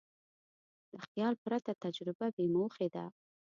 له خیال پرته تجربه بېموخې ده.